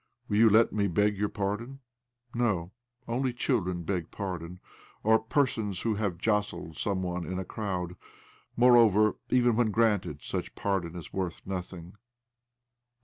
" Will you let me beg your pardon? "" No ; only children beg pardon, or per sons who have jostled some one in a crowd. Moreover, even when granted, such pardon is worth nothing."